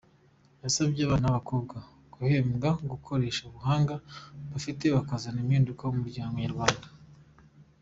Yasabye abana b’abakobwa bahembwe gukoresha ubuhanga bafite bakazana impinduka mu muryango nyarwanda.